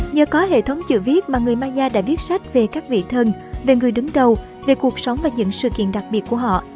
nhờ có hệ thống chữ viết mà người maya đã viết sách về các vị thần về người đứng đầu về cuộc sống và những sự kiện đặc biệt của họ